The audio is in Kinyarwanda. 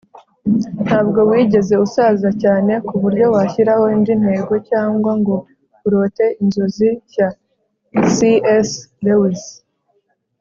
ntabwo wigeze usaza cyane ku buryo washyiraho indi ntego cyangwa ngo urote inzozi nshya - c s lewis